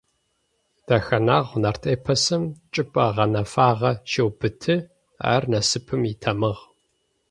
Дэхэнагъу нарт эпосым чӏыпӏэ гъэнэфагъэ щеубыты, ар насыпым итамыгъ.